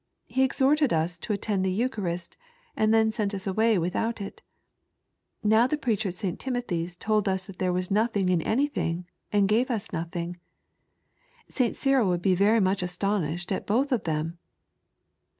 He exhorted us to attend the Eucharist, and then sent us away without it. Now the preacher at St. Timothy's told us that there was nothing in anything, and gave ns nothing. St. Cyril would be very much astonished at both of them."